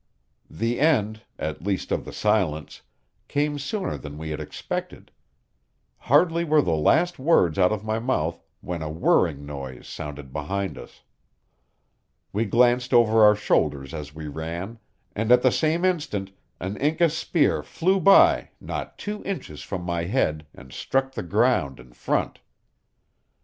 The end at least, of the silence came sooner than we had expected. Hardly were the last words out of my mouth when a whirring noise sounded behind us. We glanced over our shoulders as we ran, and at the same instant an Inca spear flew by not two inches from my head and struck the ground in front.